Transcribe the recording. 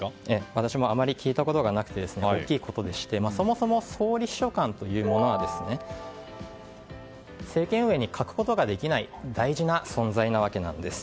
私もあまり聞いたことなくて大きいことでして、そもそも総理秘書官というものは政権運営に欠くことができない大事な存在なんです。